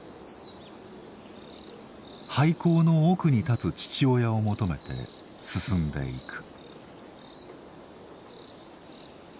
廃鉱の奥に立つ父親を求めて進んでいく。